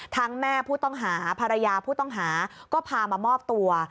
แม่ผู้ต้องหาภรรยาผู้ต้องหาก็พามามอบตัว